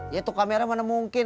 ya tuh kamera mana mungkin